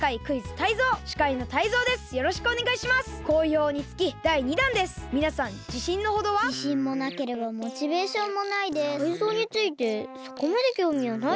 タイゾウについてそこまできょうみはないです。